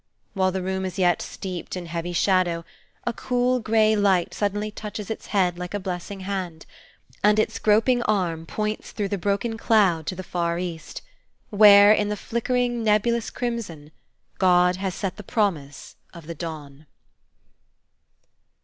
While the room is yet steeped in heavy shadow, a cool, gray light suddenly touches its head like a blessing hand, and its groping arm points through the broken cloud to the far East, where, in the flickering, nebulous crimson, God has set the promise of the Dawn.